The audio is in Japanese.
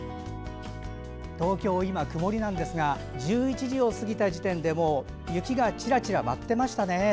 東京、今、曇りなんですが１１時を過ぎた時点でもう雪がちらちら舞ってましたね。